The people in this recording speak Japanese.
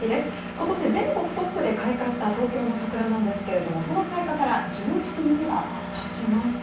今年、全国トップで開花した東京の桜なんですけれどもその開花から１７日が経ちました。